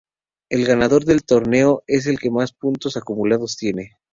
El ganador del torneo es el que más puntos acumulados tiene.